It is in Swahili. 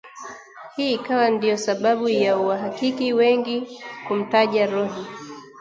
hii ikawa ndio sababu ya wahakiki wengi kumtaja Roh